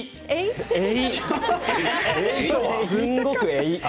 すごくえい。